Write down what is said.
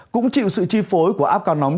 cũng chịu sự chi phối của áp cao nóng